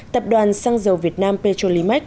tập đoàn xăng dầu việt nam petrolimax